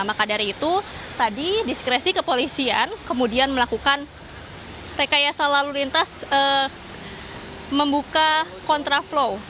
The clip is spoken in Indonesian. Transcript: maka dari itu tadi diskresi kepolisian kemudian melakukan rekayasa lalu lintas membuka kontraflow